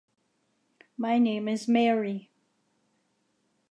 My name is Mary.